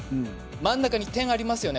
真ん中に点がありますよね。